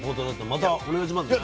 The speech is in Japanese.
またお願いしますね。